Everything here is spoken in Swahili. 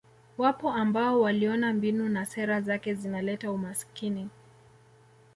Wapo ambao waliona mbinu na sera zake zinaleta umasikini